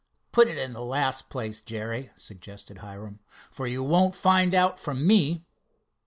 "Put it in the last place, Jerry," suggested Hiram, "for you won't find out from me."